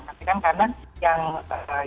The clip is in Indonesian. tapi kan karena yang seperti ditanya oleh pak